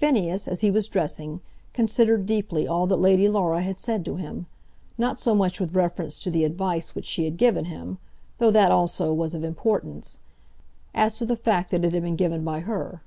Phineas, as he was dressing, considered deeply all that Lady Laura had said to him, not so much with reference to the advice which she had given him, though that also was of importance, as to the fact that it had been given by her.